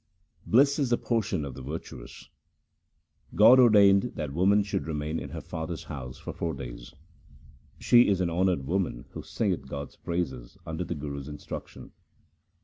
Bliss is the portion of the virtuous :— God ordained that woman should remain in her father's house for four days. 1 She is an honoured woman who singeth God's praises under the Guru's instruction.